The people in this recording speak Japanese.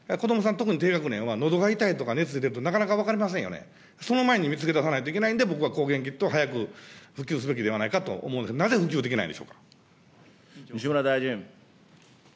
特に低学年は、のどが痛いとか、熱が出る、なかなか分かりませんよね、その前に見つけておかないといけないんで、僕は抗原キットを早く普及すべきではないかと思うんですが、なぜ西村大臣。